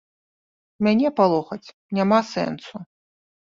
Мяне палохаць няма сэнсу.